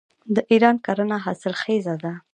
د ایران کرنه حاصلخیزه ده.